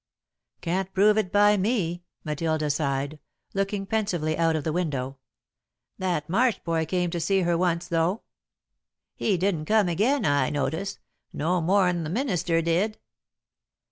"Can't prove it by me," Matilda sighed, looking pensively out of the window. "That Marsh boy come to see her once, though." "He didn't come again, I notice, no more'n the minister did."